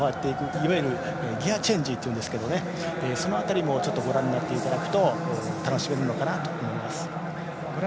いわゆるギヤチェンジといいますがその辺りもご覧になっていただくと楽しめるのかなと思います。